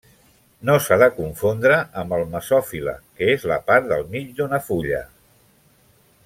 No s'ha de confondre amb el mesofil·le que és la part del mig d'una fulla.